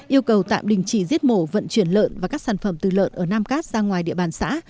yêu cầu tạm đình chỉ giết mổ vận chuyển lợn và các sản phẩm từ lợn ở nam cát ra ngoài địa bàn xã